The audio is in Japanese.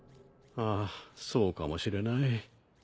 ああそうかもしれない。